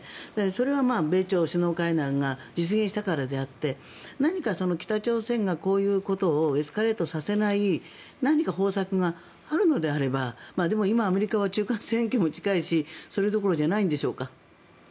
それは米朝首脳会談が実現したからであって何か北朝鮮がこういうことをエスカレートさせない何か方策があるのであればでも今、アメリカは中間選挙も近いしそれどころじゃないんでしょうか。